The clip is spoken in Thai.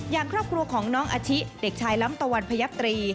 อย่างครอบครัวของน้องอาชิเด็กชายล้ำตะวันพยับตรี